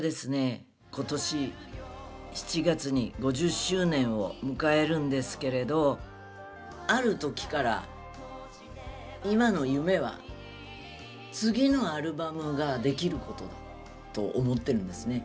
今年７月に５０周年を迎えるんですけれどある時から今の夢は次のアルバムができることだと思ってるんですね。